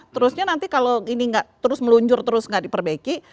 terusnya nanti kalau ini nggak terus meluncur terus nggak diperbaiki